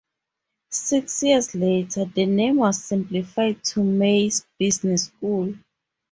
Six-years later, the name was simplified to Mays Business School.